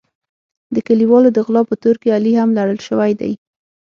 د کلیوالو د غلا په تور کې علي هم لړل شوی دی.